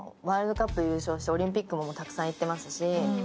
ワールドカップ優勝してオリンピックもたくさん行ってますし。